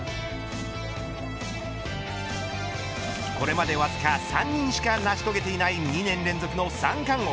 これまでわずか３人しか成し遂げていない２年連続の三冠王。